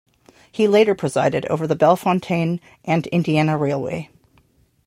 He later presided over the Bellefontaine and Indiana Railway.